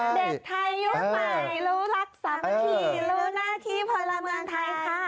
เด็กไทยยุคใหม่รู้รักสามัคคีรู้หน้าที่พลเมืองไทยค่ะ